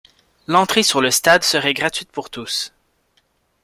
L'entrée sur le stade serait gratuite pour tous.